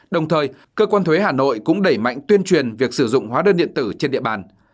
đồng thời cơ quan thuế hà nội cũng đẩy mạnh tuyên truyền việc sử dụng hóa đơn điện tử trên địa bàn